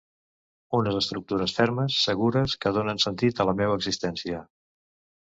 Unes estructures fermes, segures, que donen sentit a la meua existència.